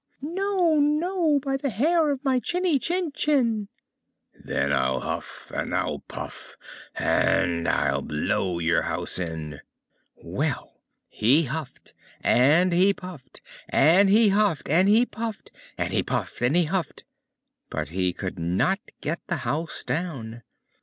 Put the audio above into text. "No, no, by the hair of my chinny chin chin." "Then I'll huff and I'll puff, and I'll blow your house in." Well, he huffed and he puffed, and he huffed and he puffed, and he puffed and he huffed; but he could not get the house down.